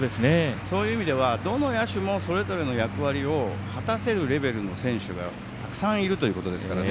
そういう意味ではどの野手もそれぞれの役割を果たせるレベルの選手がたくさんいるということですから。